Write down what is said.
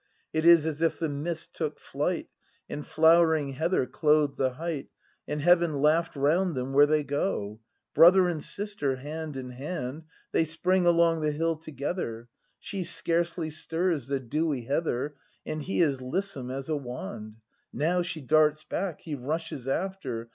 It is as if the mist took flight. And flowering heather clothed the height, And heaven laugh'd round them where they go. Brother and sister, hand in hand. They spring along the hill together. She scarcely stirs the dewy heather. And he is lissome as a wand. Now she darts back, he rushes after.